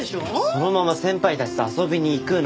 そのまま先輩たちと遊びに行くの。